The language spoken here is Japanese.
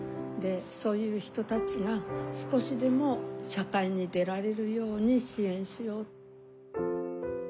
でそういう人たちが少しでも社会に出られるように支援しよう。